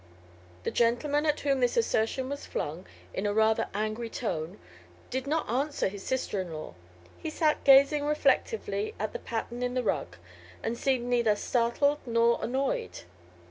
The gentleman at whom this assertion was flung in a rather angry tone did not answer his sister in law. He sat gazing reflectively at the pattern in the rug and seemed neither startled nor annoyed.